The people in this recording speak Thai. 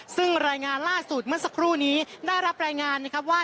ซึ่งรายงานล่าสุดเมื่อสักครู่นี้ได้รับรายงานนะครับว่า